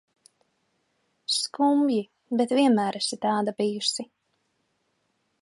Skumji, bet vienmēr esi tāda bijusi.